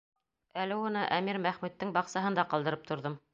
Әле уны әмир Мәхмүттең баҡсаһында ҡалдырып торҙом.